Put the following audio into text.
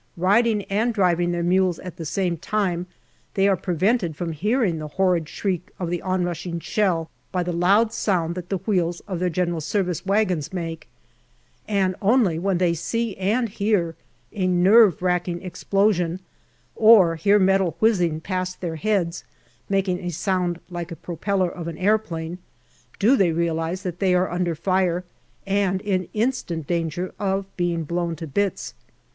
Riding and driving their mules at the same time, they are prevented from hearing the horrid shriek of the on rushing shell by the loud sound that the wheels of their G.S. wagons make, and only when they see and hear a nerve racking explo sion, or hear metal whizzing past their heads, making a sound like a propeller of an aeroplane, do they realize that they are under fire and in instant danger of being blown to bits.